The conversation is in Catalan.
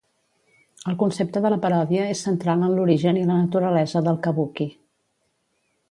El concepte de la paròdia és central en l'origen i la naturalesa del kabuki.